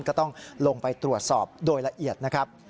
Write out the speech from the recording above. ก็ต้องลงไปตรวจสอบโดยละเอียดนะครับ